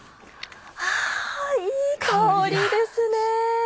あいい香りですね！